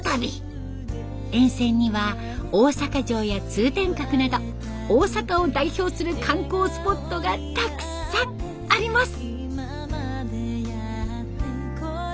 沿線には大阪城や通天閣など大阪を代表する観光スポットがたくさんあります。